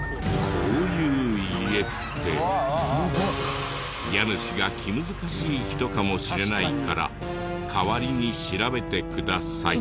こういう家って家主が気難しい人かもしれないから代わりに調べてください。